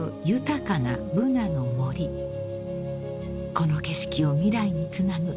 ［この景色を未来につなぐ］